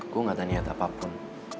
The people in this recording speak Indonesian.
gue gak taniat apapun